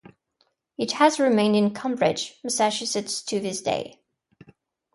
It has remained in Cambridge, Massachusetts to this day.